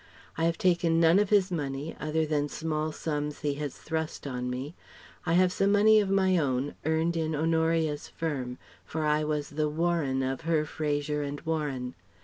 I have taken none of his money, other than small sums he has thrust on me. I have some money of my own, earned in Honoria's firm, for I was the 'Warren' of her 'Fraser and Warren.'